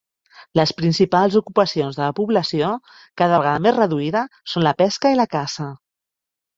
Les principals ocupacions de la població, cada vegada més reduïda, són la pesca i la caça.